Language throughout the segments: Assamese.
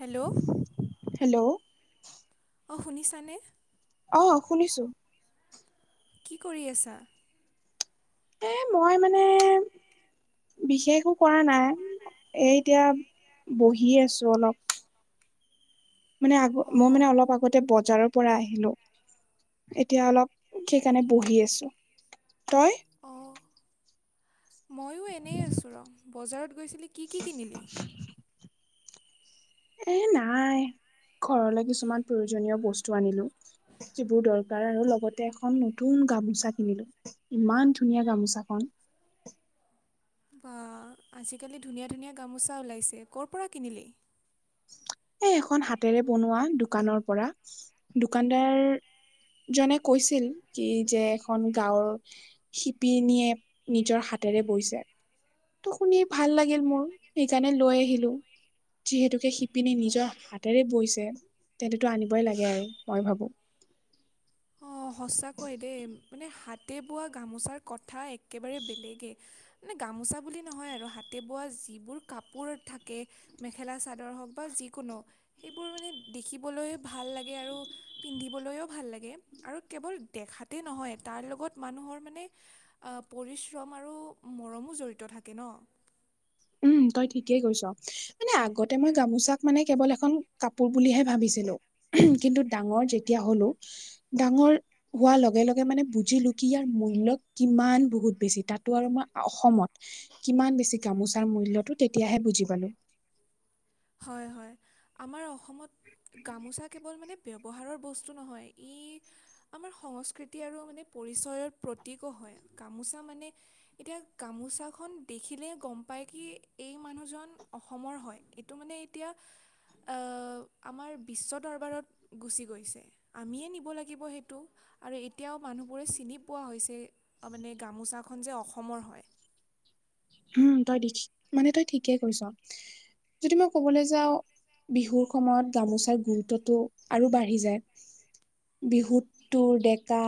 হেল্ল' হেল্ল' অঁ শুনিছানে? অ শুনিছো কি কৰি আছা। এ মই মানে বিশেষো কৰা নাই এই এতিয়া বহি আছো অলপ মানে আগ মই অঁ মানে অলপ আগতে বজাৰত পৰা আহিলো এতিয়া অলপ সেইকাৰণে বহি আছো তই অ মইও এনে আছো ৰ বজাৰত গৈছিলি কি কি কিনিলি এ নাই ঘৰলৈ কিছুমান প্ৰয়োজনীয় বস্তু আনিলো যিবোৰ দৰকাৰ আৰু লগতে এখন নতুন গামোচা কিনিলো ইমান ধুনীয়া গামোচাখন। বা আজিকালি ধুনীয়া ধুনীয়া গামোচা ওলাইছে ক'ৰ পৰা কিনিলি এ এখন হাতেৰে বনোৱা দোকানৰ পৰা দোকানদাৰ জনে কৈছিল কি যে এখন গাঁৱৰ শিপিনীয়ে নিজৰ হাতেৰে বৈছে ত শুনি ভাল লাগিল মোৰ সেইকাৰণে লৈ আহিলো যিহেতুকে শ পিনে নিজৰ হাতেৰে বৈছে তেন্ততো আনিবই লাগে আৰু মই ভাবোঁ অঁ সঁচাকৈ দেই মানে হাতে বোৱা গামোচাৰ কথা একেবাৰে বেলেগেই মানে গামোচা বুলি নহয় আৰু হাতে বোৱা যিবোৰ কাপোৰ থাকে মেখেলা চাদৰ হওক বা যিকোনো সেইবোৰ মানে দেখিবলৈ ভাল লাগে আৰু পিন্ধিবলৈও ভাল লাগে আৰু কেৱল দেখাতে নহয় তাৰ লগত মানুহৰ মানে পৰিশ্ৰম আৰু মৰমো জড়িত থাকে ন উম তই ঠিকেই কৈছ মানে আগতে মই গামোচাক মানে কেৱল এখন কাপোৰ বুলিহে ভাবিছিলো কিন্তু ডাঙৰ যেতিয়া হলো ডাঙৰ হোৱাৰ লগে লগে মানে বুজিলো কি ইয়াৰ মূল্য় কিমান বহুত বেছি তাতো আৰু মই অসমত কিমান বেছি গামোচাৰ মূল্যয়তটো তেতিয়াহে বুজি পালো হয় হয় আমাৰ অসমত গামোচা কেৱল মানে ব্যৱহাৰৰ বস্তু নহয় ই আমাৰ সংস্কৃতি আৰু মানে পৰিচয়ৰ প্ৰতীকো হয় গামোচা মানে এতিয়া গামোচাখন দেখিলে গম পায় কি এই মানুহজন অসমৰ হয় তো মানে এতিয়া অ আমাৰ বিশ্ব দৰবাৰত গুচি গৈছে আমিয়ে নিব লাগিব সেইটো আৰু এতিয়াও মানুহবোৰে চিনি পোৱা হৈছে মানে গামোচাখন যে অসমৰ হয় উম তই দি মানে তই ঠিকেই কৈছ যদি মই কবলৈ যাও বিহুৰ সময়ত গামোচাৰ গুৰুত্বটো আৰু বাঢ়ি যায় বিহুত তো ডেকা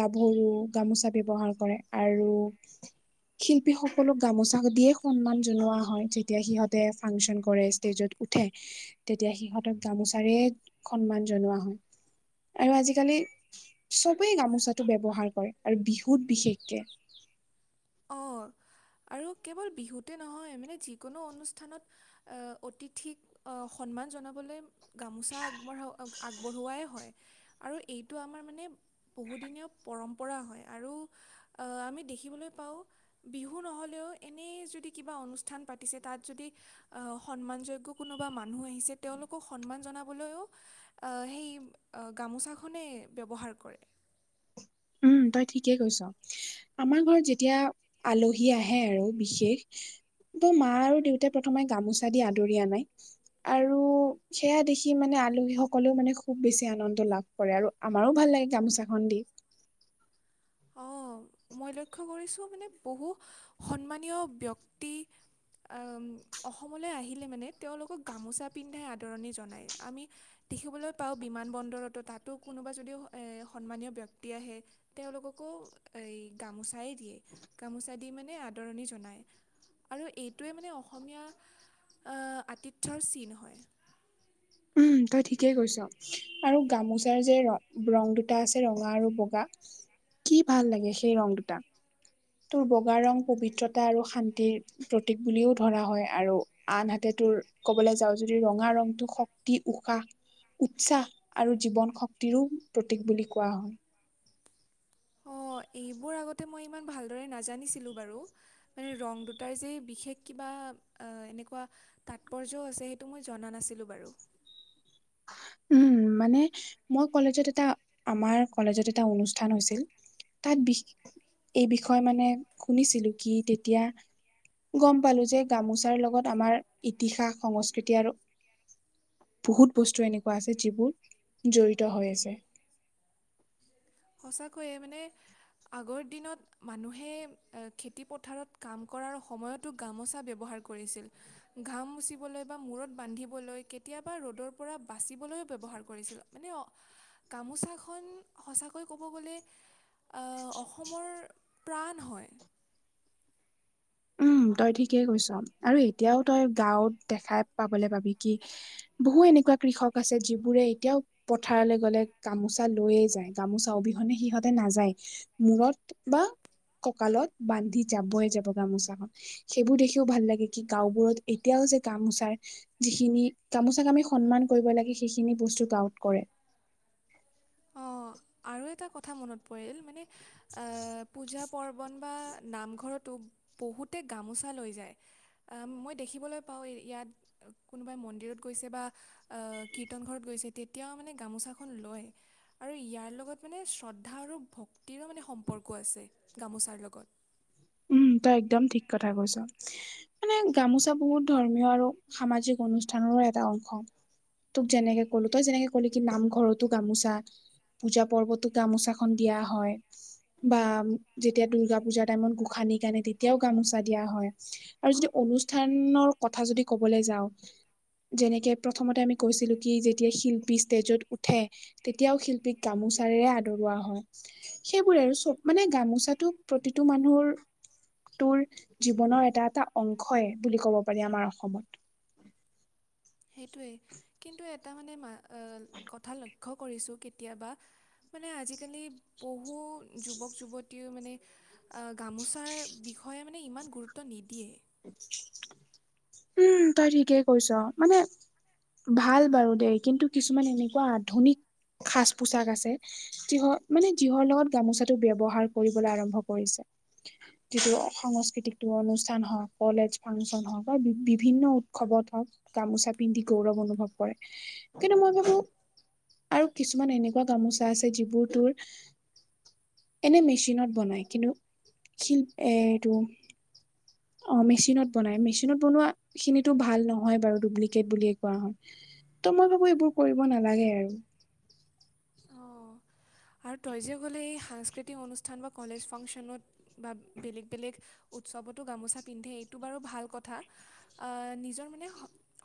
গাভৰু গামোচা ব্যৱহাৰ কৰে আৰু শিল্পীসক সকলো গামোচা দিয়ে সন্মান জনোৱা হয় যেতিয়া সিহঁতে ফাংচন কৰে ষ্টেজত উঠে তেতিয়া সিহঁতক গামোচাৰে সন্মান জনোৱা হয় আৰু আজিকালি চবেই গামোচাটো ব্য্ৱহাৰ কৰে আৰু বিহুত বিশেষকে অঁ আৰু কেৱল বিহুতে নহয় মানে যিকোনো অনুষ্ঠানত অতিথিক সন্মান জনাবলৈ গামোচা আগবঢ়া আগবঢ়োৱাই হয় আৰু এইটো আমাৰ মানে বহুদিনীয়া পৰম্পৰা হয় আৰু অ আমি দেখিবলৈ পাওঁ বিহু নহ'লেও এনেই যদি কিবা অনুষ্ঠান পাতিছে তাত যদি আহ সন্মান যোগ্য কোনোবা মানুহ আহিছে তেওঁলোকক সন্মান জনাবলৈও আহ সেই গামোচাখনে ব্যৱহাৰ কৰে উম তই ঠিকেই কৈছ আমাৰ ঘৰত যেতিয়া আলহী আহে আৰু বিশেষ ত মা আৰু দেউতাই প্ৰথমে গামোচা দি আদৰি আনে আৰু সেয়া দেখি মানে আলহী সকলেও মানে খুব বেছি আনন্দ লাভ কৰে আৰু আমাৰো ভাল লাগে গামোচাখন দি অ মই লক্ষ্য কৰিছোঁ মানে বহু সন্মানীয় ব্যক্তি অসমলৈ আহিলে মানে তেওঁলোকক গামোচা পিন্ধাই আদৰণি জনায় আমি দেখিবলৈ পাওঁ বিমান বন্দৰতো তাতো কোনোবা যদিও সন্মানীয় ব্যক্তি আহে তেওঁলোককো এই গামোচাই দিয়ে গামোচা দি মানে আদৰণি জনায় আৰু এইটোৱে মানে অসমীয়া আতিথ্যৰ চিন হয় উম তই ঠিকেই কৈছ আৰু গামোচাৰ যে ৰ ৰং দুটা আছে ৰঙা আৰু বগা কি ভাল লাগে সেই ৰং দুটা তোৰ বগা ৰং পবিত্ৰতা আৰু শান্তিৰ প্ৰতীক বুলিও ধৰা হয় আৰু আনহাতে তোৰ ক'বলৈ যাওঁ যদি ৰঙা ৰংটো খুব ই উশাহ উৎসাহ আৰু জীৱন শক্তিৰো প্ৰতীক বুলি কোৱা হয়। অ এইবোৰ আগতে মই ইমান ভালদৰে নাজানিছিলোঁ বাৰু মানে ৰং দুটাৰ যে বিশেষ কিবা আ এনেকুৱা তাৎপৰ্যও আছে সেইটো মই জনা নাছিলোঁ বাৰু উম মানে মই কলেজত এটা আমাৰ কলেজত এটা অনুষ্ঠান হৈছিল তাত বিষে এই বিষয়ে মানে শুনিছিলো কি তেতিয়া গম পালো যে গামোচাৰ লগত আমাৰ ইতিহাস সংস্কৃতি আৰু। বহুত বস্তু এনেকুৱা আছে যিবোৰ জৰিত হৈ আছে। সঁচাকৈয়ে মানে আগৰ দিনত। মানুহে আ খেতি পথাৰত কাম কৰাৰ সময়তো গামোচা ব্যৱহাৰ কৰিছিল। ঘাম মুচিবলৈ বা মূৰত বান্ধিবলৈ কেতিয়াবা ৰ'দৰ পৰা বাচিবলৈও ব্যৱহাৰ কৰিছিল। মানে গামোচাখন সঁচ। চাকৈ ক'ব গ'লে অসমৰ প্ৰাণ হয়। উম, তই ঠিকেই কৈছ আৰু এতিয়াও তই গাঁৱত দেখাই পাবলৈ পাবি কি। বহু এনেকুৱা কৃষক আছে যিবোৰে এতিয়াও। পথাৰলৈ গ'লে গামোচা লৈয়ে যায়, গামোচা অবিহনে সিহঁতে নাযায়। মোৰত বা কঁকালত বান্ধি যাবয় যাব গামোচাখন। সেইবোৰ দেখিও ভাল লাগে, কি গাওবোৰত এতিয়াও যে গামুচাৰ। যিখিনি গামোচা আমি সন্মান কৰিব লাগে, সেইখিনি বস্তু গাউট কৰে। অ' আৰু এটা কথা মনত পৰিল মানে। অ' পূজা পাৰ্বণ বা নামঘৰতো বহুতে গামোচা লৈ যায়‌। আ মই দেখিবলৈ পাওঁ ইয়াত কোনোবাই মন্দিৰত গৈছে বা। আ কীৰ্তন ঘৰত গৈছে তেতিয়াও মানে গামোচাখন লৈ। আৰু ইয়াৰ লগত মানে শ্ৰদ্ধা আৰু ভক্তিৰো মানে সম্পৰ্ক আছে। গামোচাৰ লগত। উম তই একদম ঠিক কথা কৈছ। মানে গামোচা বহুত ধৰ্মীয় আৰু সামাজিক অনুষ্ঠানৰো এটা অংশ। তোক যেনেকে ক'লো তই যেনেকে কলি কি নামঘৰতো গামোচা। পূজা পৰ্বতো গামোচাখন দিয়া হয়। বা যেতিয়া দূৰ্গা পুজাৰ টাইমত গোসানীক। তেনে তেতিয়াও গামোচা দিয়া হয় আৰু যদি অনুষ্ঠানৰ কথা যদি কবলৈ যাওঁ। যেনেকে প্ৰথমতে আমি কৈছিলোঁ কি যেতিয়া শিল্পী ষ্টেজত উঠে। তেতিয়াও শিল্পীক গামোচাৰে আদৰোৱা হয়। সেইবোৰে আৰু চব মানে গামোচাটো প্ৰতিটো মানুহৰ। তোৰ জীৱনৰ এটা এটা অংশই বুলি ক'ব পাৰি আমাৰ অসমত। সেইটোৱেই কিন্তু এটা মানে মা আ‌ কথা লক্ষ্য কৰিছোঁ কেতিয়াবা। মানে আজিকালি বহু যুৱক - যুৱতীয়েও মানে। আ, গামোচাৰ বিষয়ে মানে ইমান গুৰুত্ব নিদিয়ে। [inaudible] উম, তই ঠিকেই কৈছ মানে। ভাল বাৰু দেই, কিন্তু কিছুমান এনেকুৱা আধুনিক সাজপোছাক আছে। যিহৰ মানে যিহৰ লগত গামোচাটো ব্যৱহাৰ কৰিবলৈ আৰম্ভ কৰিছে। যিটো সংস্কৃতিক তোৰ অনুষ্ঠান হওঁক কলেজ ফাংচন হওঁক। বা বিভিন্ন উৎসৱত হওক গামোচা পিন্ধি গৌৰৱ অনুভৱ কৰে। কিন্তু মই ভাবো আৰু কিছুমান এনেকুৱা গামোচা আছে যিবোৰ তোৰ। এনে মেচিনত বনাই কিন্তু শিল্প এইটো। অ' মেচিনত বনাই, মেচিনত বনোৱা খিনিতো ভাল নহয় বাৰু ডুপ্লিকেট বুলিয়ে কোৱা হয়। ত' মই ভাবো এইবোৰ কৰিব নালাগে আৰু। অঁ আৰু তই যে কলি এই সাংস্কৃতিক অনুষ্ঠান বা কলেজ ফাংচনত বা বেলেগ - বেলেগ। উৎসৱতো গামোচা পিন্ধে এইটো বাৰু ভাল কথা, আ নিজৰ মানে।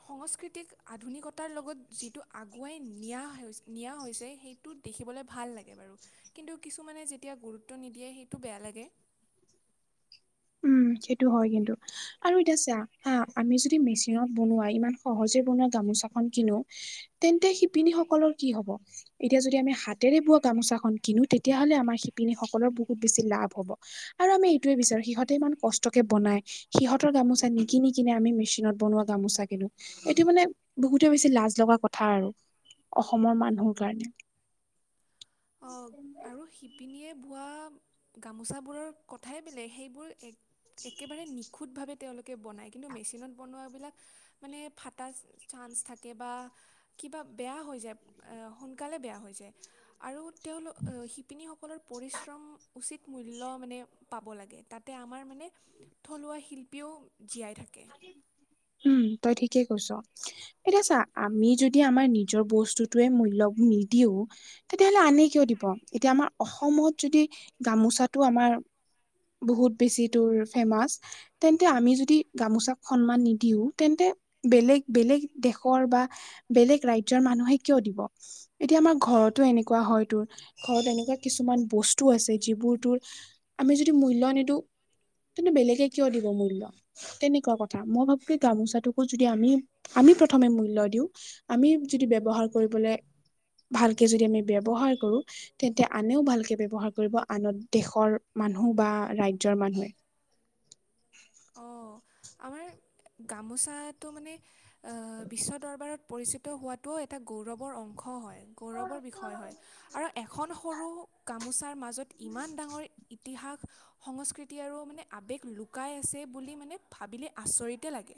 সংস্কৃতিক আধুনিকতাৰ লগত যিটো আগুৱাই নিয়া হৈছে, নিয়া হৈছে সেই। তো দেখিবলৈ ভাল লাগে বাৰু কিন্তু কিছুমানে যেতিয়া গুৰুত্ব নিদিয়ে সেইটো বেয়া লাগে। উমঁ সেইটো হয় কিন্তু। আৰু এতিয়া চা হা আমি যদি মেচিনত বনোৱা ইমান সহজে বনোৱা গামোচাখন কিনো। তেন্তে শিপিনী সকলৰ কি হ'ব। এতিয়া যদি আমি হাতেৰে বোৱা গামোচাখন কিনো তেতিয়াহলে আমাৰ শিপিনীসকলৰ বহুত বেছি লাভ হ'ব। আৰু আমি এইটয়ে বিচাৰো সিহঁত,,, ইমান কষ্টকে বনাই সিহঁতৰ গামোচা নিকিনি কিনে আমি মেচিনত বনোৱা গামোচা কিনো। এইটো মানে বহুতে বেছি লাজ লগা কথা আৰু অসমৰ মানুহৰ কাৰণে। অঁ আৰু শিপিনীয়ে বোৱা। গামোচাবোৰৰ কথাই বেলেগ সেইবোৰ এক,,, একেবাৰে নিখুঁতভাৱে তেওঁলোকে বনায় কিন্তু মেচিনত বনোৱাবিলাক,, মানে ফাটা চাঞ্চ থাকে বা,,, কিবা বেয়া হৈ যায় এ সোনকালে বেয়া হৈ যায়। আৰু তেওঁলোক আ শিপিনীসকলৰ পৰিশ্ৰম। উচিত মূল্য মানে পাব লাগে তাতে আমাৰ মানে,,, থলুৱা শিল্পীও জীয়াই থাকে। উমঁ তই ঠিকেই কৈছ। এতিয়া ছা আমি যদি আমাৰ নিজৰ বস্তুটয়ে মূল্য নিদিওঁ। তেতিয়াহলে আনে কিয় দিব এতিয়া আমাৰ অসমত যদি,,, গামোচাতটো আমাৰ বহুত বেছি দূৰ ফেমাচ তেন্তে আমি যদি,,,, গামোচাক সন্মান নিদিও তেন্তে বেলেগ বেলেগ দেশৰ বা,,, বেলেগ ৰাজ্যৰ মানুহে কিয় দিব। এতিয়া আমাৰ ঘৰতো এনেকুৱা হয় তোৰ ঘৰত এনেকুৱা কিছুমান বস্তু আছে যিবোৰ তোৰ,,, আমি যদি মূল্য নিদিওঁ কিন্তু বেলেগে কিয় দিব মূল্য। তেনেকুৱা কথা মই ভাবো কি গামোচাটোকো যদি আমি আমি প্ৰথমে মূল্য দিওঁ। আমি যদি ব্যৱহাৰ কৰিবলৈ ভালকে যদি আমি ব্যৱ্হাৰ কৰো। তেন্তে আনেও ভালকে ব্যৱহাৰ কৰিব আন দেশৰ মানুহ বা ৰাজ্যৰ মানুহে। অঁ আমাৰ গামোচাটো মানে,,, বিশ্ব দৰবাৰত পৰিচিত হোৱাতটোও এটা গৌৰৱৰ অংশ হয়। গৌৰৱৰ বিষয় হয় আৰু এখন সৰু গামোচাৰ মাজত। ইমান ডাঙৰ ইতিহাস সংস্কৃতি আৰু মানে আৱেগ লুকাই আছে। বুলি মানে ভাবিলে আচৰিতে লাগে।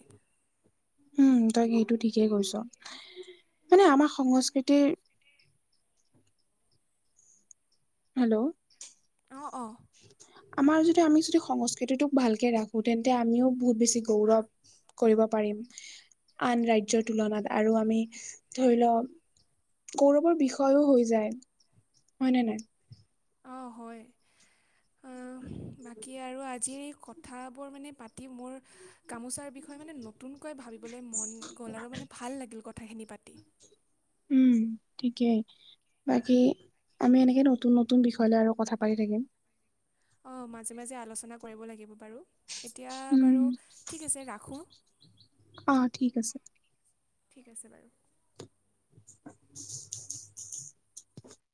উমঁ তই সেইটো ঠিকে কৈছ মানে আমাৰ সংস্কৃতিৰ,,,, হেলৌ! ' অঁ অঁ! আমাৰ যদি আমি যদি সংস্কৃতিটোক ভালকে ৰাখো তেন্তে আমিও বহুত বেছি গৌৰৱ। কৰিব পাৰিম আন ৰাজ্যৰ তুলনাত আৰু আমি ধৰি লওক। গৌৰৱৰ বিষয়ও হৈ যায় হয় নে নাই। অঁ হয়। অহ বাকী আৰু আজি কথাবোৰ মানে পাতি মোৰ। গামোচাৰ বিষয়ে মানে নতুনকৈ ভাবিবলৈ মন গ'ল আৰু মানে ভাল লাগিল কথাখিনি পাতি। উমঁ ঠিকেই। বাকী আমি এনেকে নতুন নতুন বিষয় লৈ আৰু কথা পাতি থাকিম। অঁ মাজে মাজে আলোচনা কৰিব লাগিব বাৰু এতিয়া উম, বাৰু ঠিক আছে ৰাখোঁ। অঁ ঠিক আছে। ঠিক আছে বাৰু। [inaudible]